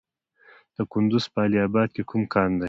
د کندز په علي اباد کې کوم کان دی؟